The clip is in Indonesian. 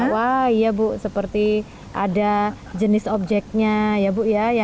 wah iya bu seperti ada jenis objeknya ya bu ya